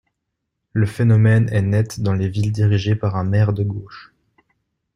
Le phénomène est net dans les villes dirigées par un maire de gauche.